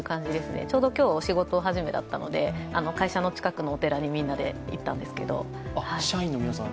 ちょうど今日、仕事始めだったので会社の近くのお寺にみんなで行ったんですけど。